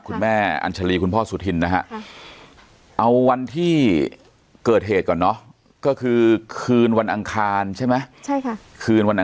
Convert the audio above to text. คุณแม่อัญชาลีคุณพ่อสุธินนะฮะเอาวันที่เกิดเหตุก่อนเนอะ